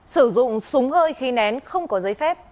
sử dụng súng hơi khí nén không có giấy phép